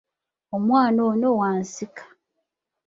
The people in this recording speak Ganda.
Omwana ono wa nsika.